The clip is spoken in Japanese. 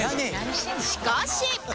しかし